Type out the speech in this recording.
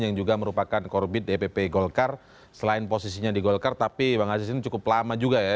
yang juga merupakan korbit dpp golkar selain posisinya di golkar tapi bang aziz ini cukup lama juga ya